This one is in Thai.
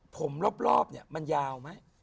ผมรอบเนี่ยมันยาวไหม